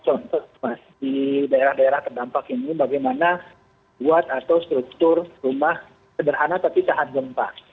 contoh mas di daerah daerah terdampak ini bagaimana buat atau struktur rumah sederhana tapi tahan gempa